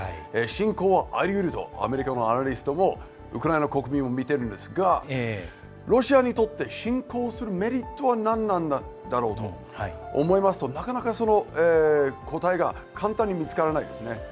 侵攻はありうるとアメリカのアナリストもウクライナ国民も見てるんですがロシアにとって侵攻するメリットはなんなんだろうと思いますとなかなか、その答えが簡単に見つからないですね。